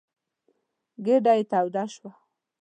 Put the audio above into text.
ګېډه يې توده شوه.